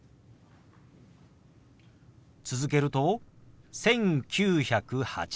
続けると「１９８０」。